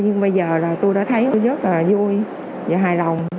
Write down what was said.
nhưng bây giờ là tôi đã thấy rất là vui và hài lòng